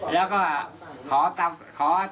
แล้วก็ขอถังเจ็ด